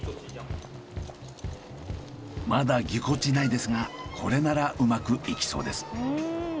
まだぎこちないですがこれならうまくいきそうです。